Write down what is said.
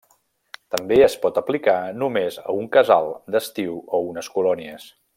També es pot aplicar només a un casal d'estiu o unes colònies.